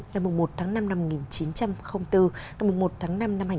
năm một tháng năm năm một nghìn chín trăm linh bốn năm một tháng năm năm hai nghìn bốn